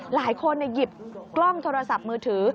หลายคนหยิบกล้องโทรศัพท์มือถือ